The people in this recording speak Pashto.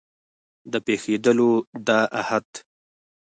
د پېښېدلو د احت